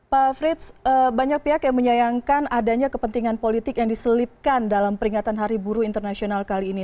pak frits banyak pihak yang menyayangkan adanya kepentingan politik yang diselipkan dalam peringatan hari buruh internasional kali ini